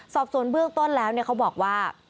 สอบสวนเบื้องต้นแล้วเขาบอกว่า